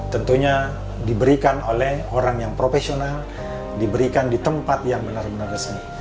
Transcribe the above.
tentunya diberikan oleh orang yang profesional diberikan di tempat yang benar benar resmi